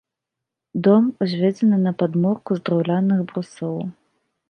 Дом узведзены на падмурку з драўляных брусоў.